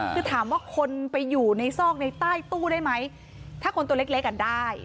คือถามว่าคนไปอยู่ในซอกในใต้ตู้ได้ไหมถ้าคนตัวเล็กอ่ะได้